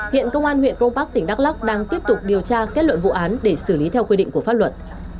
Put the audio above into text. hiện công an huyện cron park tỉnh đắk lắc đang tiếp tục điều tra kết luận vụ án để xử lý theo quy định của pháp luật